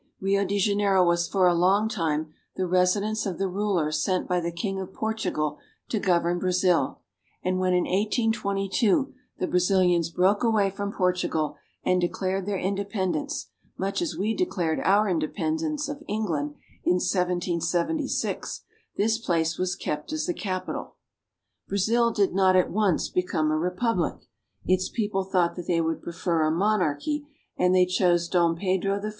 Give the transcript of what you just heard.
Rio de Janeiro was for a long time the residence of the rulers senf by the King of Portugal to govern Brazil, and when in 1822 the Brazilians broke away from Portugal and declared their independence, much as we declared our independence of England in 1776, this place was kept as the capital. Brazil did not at once become a republic. Its people thought they would prefer a monarchy, and they chose Dom Pedro I.